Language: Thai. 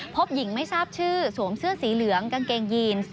พบหญิงไม่ทราบชื่อสวมเสื้อสีเหลืองกางเกงยีน